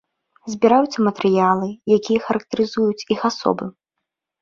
Збіраюцца матэрыялы, якія характарызуюць іх асобы.